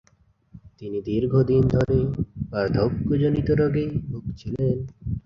তিনি দীর্ঘদিন ধরে বার্ধক্যজনিত রোগে ভুগছিলেন।